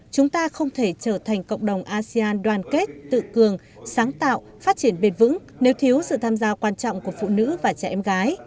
chúng ta không thể trở thành cộng đồng asean đoàn kết tự cường sáng tạo phát triển bền vững nếu thiếu sự tham gia quan trọng của phụ nữ và trẻ em gái